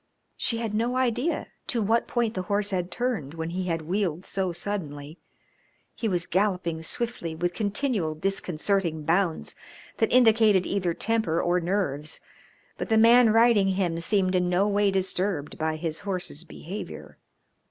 She had no idea to what point the horse had turned when he had wheeled so suddenly. He was galloping swiftly with continual disconcerting bounds that indicated either temper or nerves, but the man riding him seemed in no way disturbed by his horse's behavior.